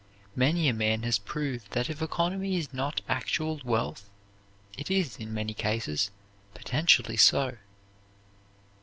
Many a man has proved that if economy is not actual wealth, it is, in many cases, potentially so.